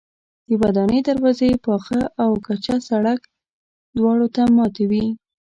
د ودانۍ دروازې پاخه او کچه سړک دواړو ته ماتې وې.